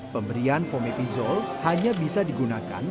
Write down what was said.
pemberian fomepizol hanya bisa digunakan